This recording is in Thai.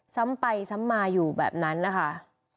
ซ้ำไปซ้ำมาอยู่แบบนั้นนะคะ